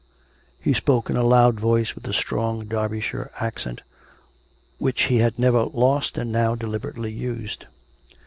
He spoke in a loud voice with a strong Derbyshire accent, which he had never lost and now deliberately used.